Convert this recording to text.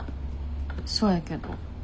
そうやけど。